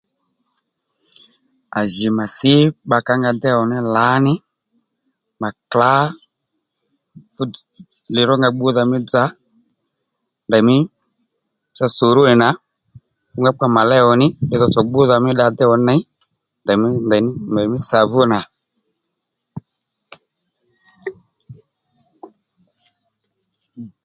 À jì mà thǐ bbakà ó nga déy ò ní lǎní mà klǎ fú lironga gbúdha mí dza ndèymí cha soronì nà funga kpa mà léy ò ní lidhotso gbúdha mí dda déy ò ní ney ndèymí ndeymí sàvó nà